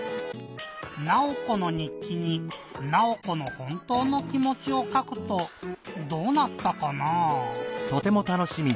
ナオコのにっきにナオコのほんとうの気もちをかくとどうなったかなぁ？